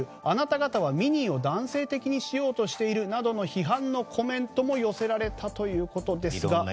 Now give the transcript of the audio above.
あなた方はミニーを男性的にしようとしているなどの批判のコメントも寄せられたということですが。